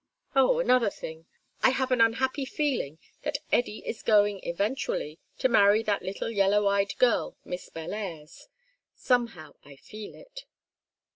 Oh, another thing I have an unhappy feeling that Eddy is going, eventually, to marry that little yellow eyed girl Miss Bellairs. Somehow I feel it."